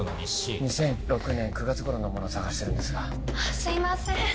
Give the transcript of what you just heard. ２００６年９月頃のもの探してるんですがあっすいません・